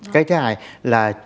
cái thứ hai là